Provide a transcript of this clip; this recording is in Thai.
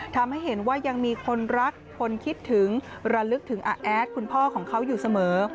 ทำให้เห็นว่ายังมีคนรักคนคิดถึงระลึกถึงอาแอดคุณพ่อของเขาอยู่เสมอ